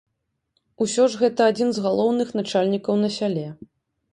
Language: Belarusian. Усё ж гэта адзін з галоўных начальнікаў на сяле.